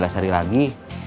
tiga belas hari lagi